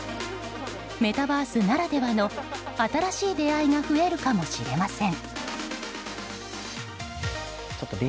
メタバースならではの新しい出会いが増えるかもしれません。